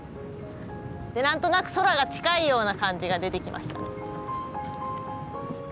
何となく空が近いような感じが出てきました。